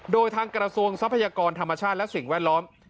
โดยทางกระทรวงทรัพยากรธรรมชาติและสิ่งแวดล้อม